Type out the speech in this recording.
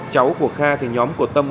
cháu của kha thì nhóm của tâm